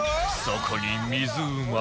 そこに